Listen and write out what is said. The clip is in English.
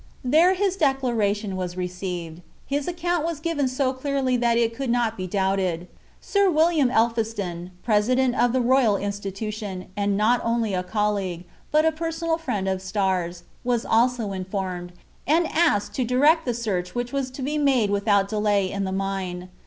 There his declaration was received. His account was given so clearly that it could not be doubted. Sir William Elphiston, President of the Royal Institution, and not only colleague, but a personal friend of Starr's, was also informed, and asked to direct the search which was to be made without delay in the mine.